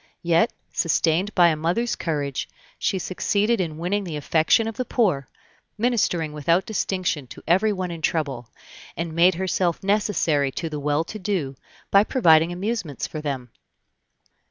Yet, sustained by a mother's courage, she succeeded in winning the affection of the poor, ministering without distinction to everyone in trouble; and made herself necessary to the well to do, by providing amusements for them.